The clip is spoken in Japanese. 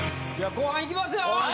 後半いきますよ。